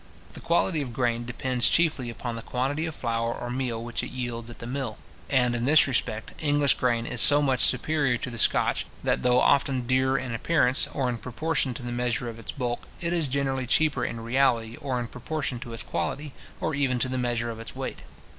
The quality of grain depends chiefly upon the quantity of flour or meal which it yields at the mill; and, in this respect, English grain is so much superior to the Scotch, that though often dearer in appearance, or in proportion to the measure of its bulk, it is generally cheaper in reality, or in proportion to its quality, or even to the measure of its weight.